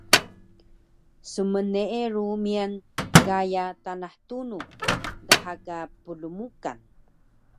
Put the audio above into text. smneeru miyan gaya Tanah Tunux daha ka Plmukan